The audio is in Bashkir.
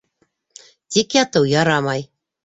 Тик ятыу ярамай.